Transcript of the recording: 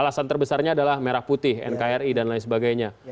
alasan terbesarnya adalah merah putih nkri dan lain sebagainya